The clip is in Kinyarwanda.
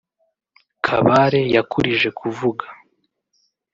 Kabare yakurije kuvuga